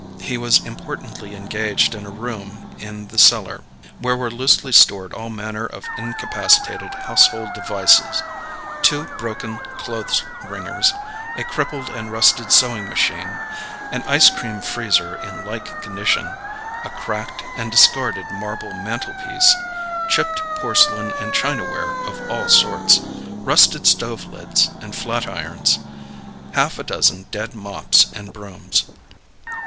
He was importantly engaged in a room in the cellar, where were loosely stored all manner of incapacitated household devices; two broken clothes wringers, a crippled and rusted sewing machine, an ice cream freezer in like condition, a cracked and discarded marble mantelpiece, chipped porcelain and chinaware of all sorts, rusted stove lids and flatirons, half a dozen dead mops and brooms.